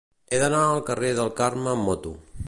He d'anar al carrer del Carme amb moto.